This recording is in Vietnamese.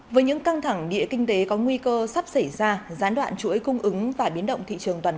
với những căng thẳng địa kinh tế có nguy cơ sắp xảy ra gián đoạn chuỗi cung ứng và biến động thị trường toàn cầu